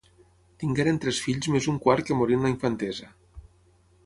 Tingueren tres fills més un quart que morí en la infantesa.